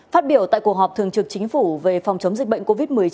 phát biểu tại cuộc họp thường trực chính phủ về phòng chống dịch bệnh covid một mươi chín